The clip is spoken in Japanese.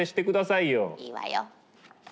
いいわよ。